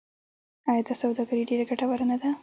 آیا دا سوداګري ډیره ګټوره نه ده؟